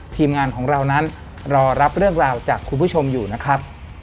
ทีมงานของเรานั้นรอรับเรื่องราวจากคุณผู้ชมอยู่นะครับ